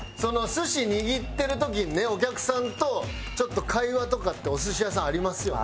寿司握ってる時にねお客さんとちょっと会話とかってお寿司屋さんありますよね？